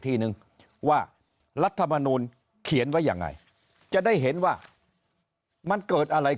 ทีนึงว่ารัฐมนูลเขียนไว้ยังไงจะได้เห็นว่ามันเกิดอะไรขึ้น